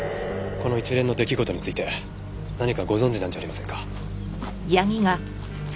この一連の出来事について何かご存じなんじゃありませんか？